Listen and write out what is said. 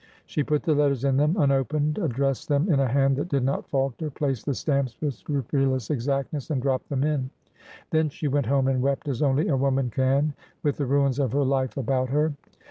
She put the letters in them unopened, addressed them in a hand that did not falter, placed the stamps with scru pulous exactness, and dropped them in. Then she went home and wept as only a woman can with the ruins of her life about her.